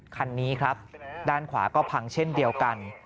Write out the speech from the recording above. คันนี้ครับด้านขวาก็พังเช่นเดียวกัน